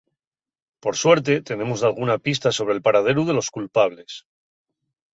Por suerte, tenemos dalguna pista sobre'l paraderu de los culpables.